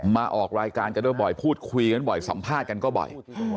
มาออกรายการกันด้วยบ่อยพูดคุยกันบ่อยสัมภาษณ์กันก็บ่อย